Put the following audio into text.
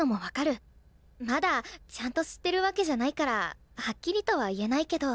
まだちゃんと知ってるわけじゃないからはっきりとは言えないけど。